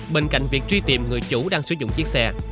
bên cạnh việc truy tìm người chủ đang sử dụng chiếc xe